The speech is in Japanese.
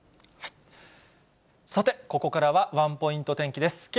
さて、ここからはワンポイント天気です。